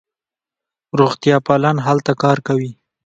روغتیاپالان هلته کار کوي.